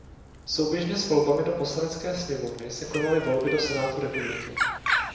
Souběžně s volbami do Poslanecké sněmovny se konaly volby do Senátu republiky.